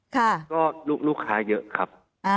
ก็โอเคครับก็ลูกค้าเยอะครับ